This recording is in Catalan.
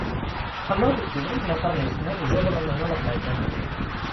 El nou d'octubre na Farners i na Rosó volen anar a la platja.